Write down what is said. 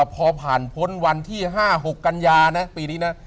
พอผ่านพ้นวันที่๕๖กันยานะปีนี้นะ